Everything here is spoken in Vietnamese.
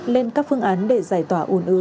lên các phương án để giải tỏa ồn ứ